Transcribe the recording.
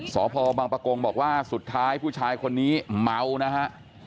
สพบังปะกงบอกว่าสุดท้ายผู้ชายคนนี้เมานะฮะ